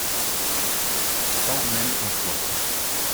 Pas même un toit.